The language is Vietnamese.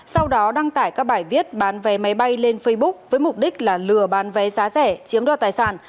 sau đó đăng tải các bài viết bán vé máy bay lên facebook với mục đích là lừa bán vé giá rẻ chiếm đoạt tài sản